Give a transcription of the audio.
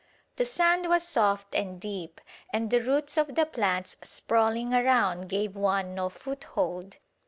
The sand was soft and deep, and the roots of the plants sprawling around gave one no foothold.